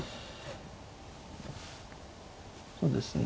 そうですね